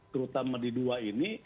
terutama di dua ini